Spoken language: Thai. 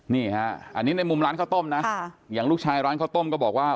นี่ฮะอันนี้ในมุมร้านข้าวต้มนะอย่างลูกชายร้านข้าวต้มก็บอกว่า